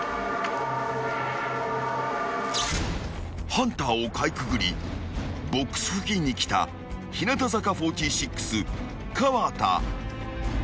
［ハンターをかいくぐりボックス付近に来た日向坂４６河田］